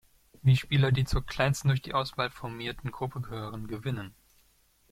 Die Spieler, die zur kleinsten durch die Auswahl formierten Gruppe gehören, gewinnen.